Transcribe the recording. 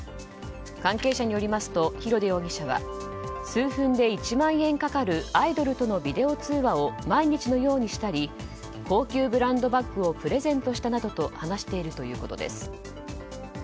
関係者によりますと広出容疑者は数分で１万円かかるアイドルのビデオ通話を毎日のようにしたり高級ブランドバッグをプレゼントしたなどと話しているということです。